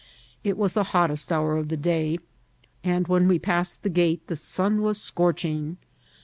It was the hottest hour o( the day, and when we passed the gate the sun was sc(»ch^ ing.